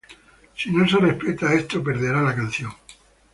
Si no se respeta esto perderá la canción.